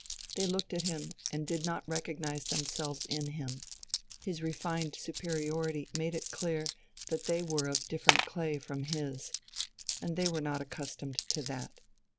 They looked at him, and did not recognize themselves in him; his refined superiority made it clear that they were of different clay from his. And they were not accustomed to that.